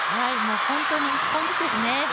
本当に１本ずつですね。